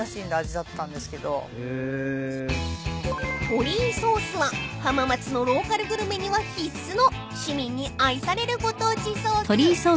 ［トリイソースは浜松のローカルグルメには必須の市民に愛されるご当地ソース］